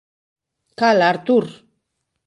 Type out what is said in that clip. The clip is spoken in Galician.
Cala, Arthur!